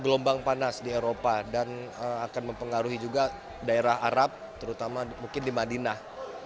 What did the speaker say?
gelombang panas di eropa dan akan mempengaruhi juga daerah arab terutama mungkin di madinah